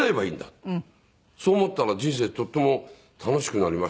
そう思ったら人生とても楽しくなりましてね。